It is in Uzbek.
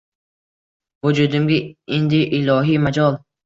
Vujudimga indi ilohiy majol.